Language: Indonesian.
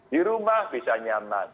di rumah bisa nyaman